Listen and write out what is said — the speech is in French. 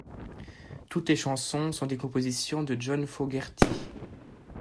Toutes les chansons sont des compositions de John Fogerty.